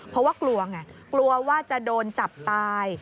เพราะว่ากลัวไงกลัวว่าจะโดนจับตาย